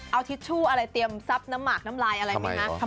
เอาทิชชู่อะไรเตรียมซับน้ำหมากน้ำลายอะไรไหมคะ